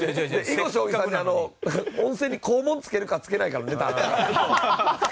囲碁将棋さんに温泉に肛門つけるかつけないかのネタあった。